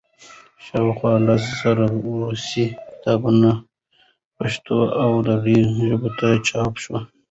شاوخوا لس زره روسي کتابونه پښتو او دري ژبو ته چاپ شوي.